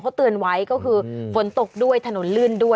เขาเตือนไว้ก็คือฝนตกด้วยถนนลื่นด้วย